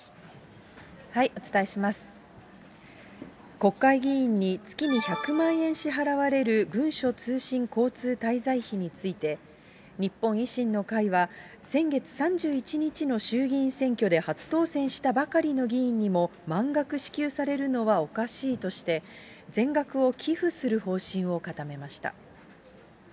国会議員に月に１００万円支払われる文書通信交通滞在費について、日本維新の会は、先月３１日の衆議院選挙で初当選したばかりの議員にも満額支給されるのはおかしいとして、全額を寄付する方針を固めました。